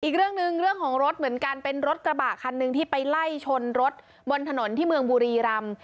อีกเรื่องหนึ่งเรื่องของรถเหมือนกันเป็นรถกระบะคันหนึ่งที่ไปไล่ชนรถบนถนนที่เมืองบุรีรำ